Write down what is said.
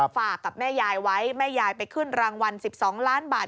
ฝากกับแม่ยายไว้แม่ยายไปขึ้นรางวัล๑๒ล้านบาท